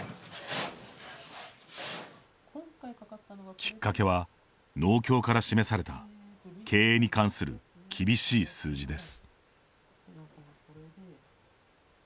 きっかけは、農協から示された経営に関する厳しい数字です。